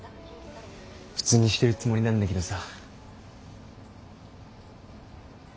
普通にしてるつもりなんだけどさ。